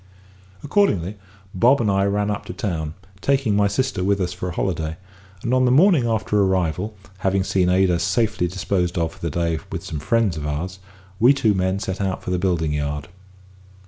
Accordingly, Bob and I ran up to town, taking my sister with us for a holiday, and on the morning after our arrival, having seen Ada safely disposed of for the day with some friends of ours, we two men set out for the building yard.